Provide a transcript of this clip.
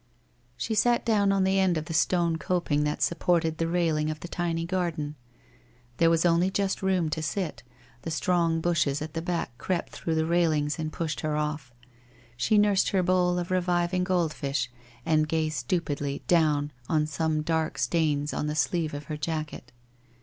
She sat down on the end of the stone coping that sup ported the railing of the tiny garden. There was only just room to sit, the strong bushes at the back crept through the railings and pushed her off. She nursed her bowl of reviving gold fish and gazed stupidly down on some dark stains on the sleeve of her jacket.